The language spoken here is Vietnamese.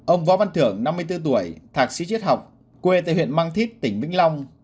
ông võ văn thưởng năm mươi bốn tuổi thạc sĩ chiết học quê tại huyện mang thít tỉnh vĩnh long